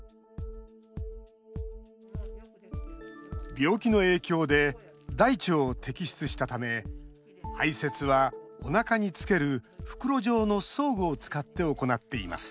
病気の影響で大腸を摘出したため排せつは、おなかにつける袋状の装具を使って行っています。